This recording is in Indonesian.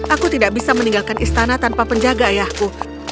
aku tidak bisa meninggalkan istana tanpa penjaga ayahku